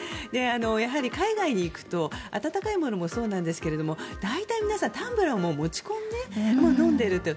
やはり海外に行くと温かいものもそうなんですが大体、皆さんタンブラーを持ち込んで飲んでいるという。